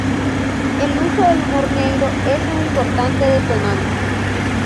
El uso del humor negro es un importante detonante.